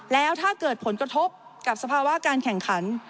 แล้วถ้าเกิดผลกระทบกับสภาวะการแข่งขัน